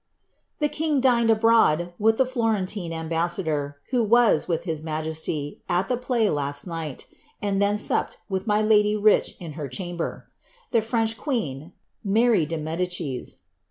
"The king dined abroad, with the Florenline ambassador, who was, with his majesty, at the play 1j 1 iiighi. and then supped with my lady Rich' in her chamber. The French queen," (Mary de .Medicia.)